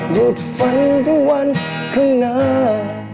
หยุดฝันทั้งวันข้างหน้า